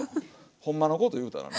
ほんまのこというたらね。